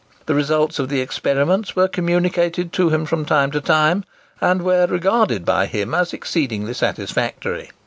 The results of the experiments were communicated to him from time to time, and were regarded by him as exceedingly satisfactory.